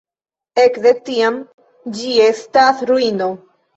Ekde tiam ĝi estas ruino.